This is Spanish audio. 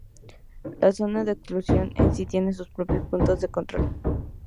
La zona de exclusión en sí tiene sus propios puntos de control.